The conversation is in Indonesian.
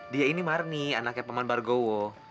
dia ini marni anaknya paman bargowo